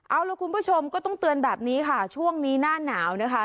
เอาล่ะคุณผู้ชมก็ต้องเตือนแบบนี้ค่ะช่วงนี้หน้าหนาวนะคะ